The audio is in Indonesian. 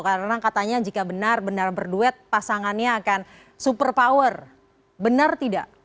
karena katanya jika benar benar berduet pasangannya akan super power benar tidak